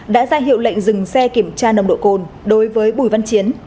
đã ra hiệu lệnh dừng xe kiểm tra nồng đội côn đối với bùi văn chiến